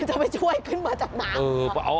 จะไปช่วยขึ้นมาจากน้ำ